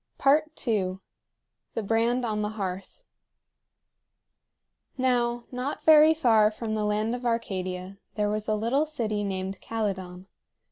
II. THE BRAND ON THE HEARTH. Now, not very far from the land of Arcadia there was a little city named Calydon.